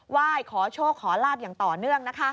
ไหว้ขอโชคขอลาบอย่างต่อเนื่องนะคะ